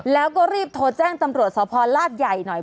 แล้วก็รีบโทรแจ้งตำรวจสพลาดใหญ่หน่อย